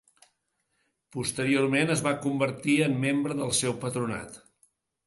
Posteriorment es va convertir en membre del seu patronat.